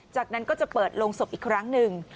จากนั้นก็จะเปิดโรงศพอีกครั้งหนึ่ง